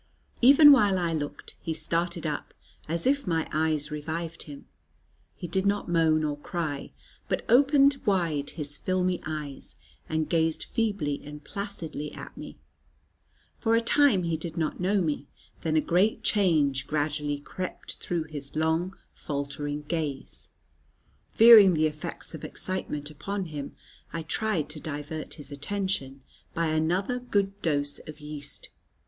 Even while I looked, he started up, as if my eyes revived him. He did not moan or cry; but opened wide his filmy eyes, and gazed feebly and placidly at me. For a time he did not know me: then a great change gradually crept through his long faltering gaze. Fearing the effects of excitement upon him, I tried to divert his attention by another good dose of yeast.